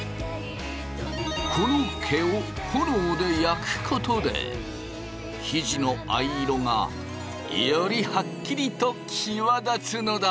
この毛を炎で焼くことで生地の藍色がよりハッキリと際立つのだ！